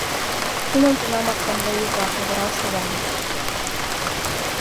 Нуным тунамак конвоир-влак авырал шогальыч.